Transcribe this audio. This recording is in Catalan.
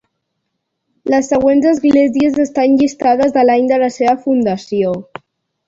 Les següents esglésies estan llistades a l'any de la seva fundació.